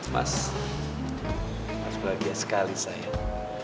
mas mas beragia sekali sayang